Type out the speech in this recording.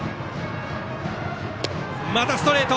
またストレート！